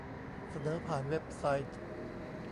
เสนอผ่านเว็บไซต์